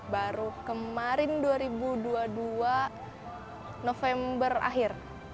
baru kemarin dua ribu dua puluh dua november akhir